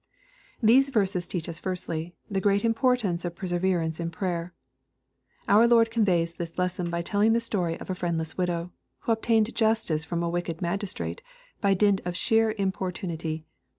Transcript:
These verses teach us firstly, the great importance of 'perseverance in prayer. Our Lord conveys this lesson by telling the story of a friendless widow, who obtained justice from a wicked magistrate, by dint of sheer im portunity.